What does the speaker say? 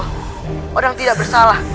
hodang tidak bersalah